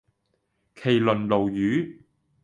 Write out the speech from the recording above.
麒麟鱸魚